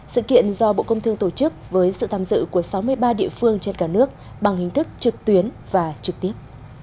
sự kiện do bộ công thương tổ chức với sự tham dự của sáu mươi ba địa phương trên cả nước bằng hình thức trực tuyến và trực tiếp